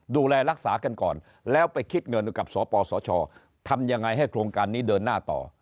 ดูแลรักษากันก่อนแล้วไปคิดเงินกับสปสชทำยังไงให้โครงการนี้เดินหน้าต่อ